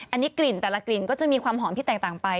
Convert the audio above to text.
อันนี้กลิ่นแต่ละกลิ่นก็จะมีความหอมที่แตกต่างไป